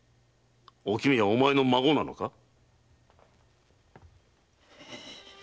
おきみはお前の孫なのか？